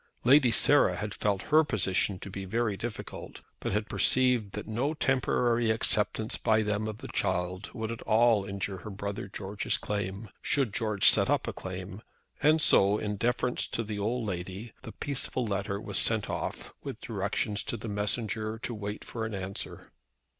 Lady Sarah had felt her position to be very difficult, but had perceived that no temporary acceptance by them of the child would at all injure her brother George's claim, should Lord George set up a claim, and so, in deference to the old lady, the peaceful letter was sent off, with directions to the messenger to wait for an answer.